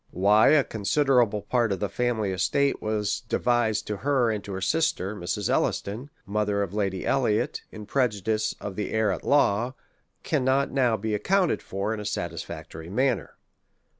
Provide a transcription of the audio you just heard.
AVhy a considerable part of the family estate was devised to her and her sister, Mrs. Elliston, mother of Lady Eliot, in prejudice of the heir at law, cannot now be accounted tor in a satisfactory manner.